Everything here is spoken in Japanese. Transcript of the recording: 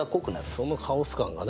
そのカオス感がね